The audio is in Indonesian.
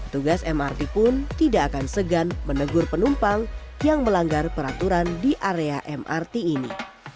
tugas mrt pun tidak akan segan menegur penumpang yang melanggar peraturan di area mrt ini